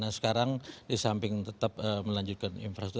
nah sekarang di samping tetap melanjutkan infrastruktur